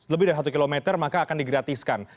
lebih dari satu km maka akan digratiskan